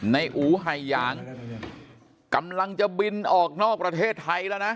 อู๋ไห่ยางกำลังจะบินออกนอกประเทศไทยแล้วนะ